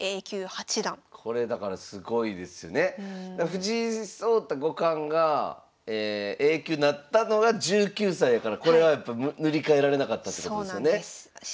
藤井聡太五冠がＡ級になったのが１９歳やからこれはやっぱ塗り替えられなかったということですよね。